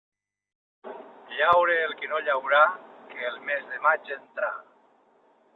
Llaure el qui no llaurà, que el mes de maig entrà.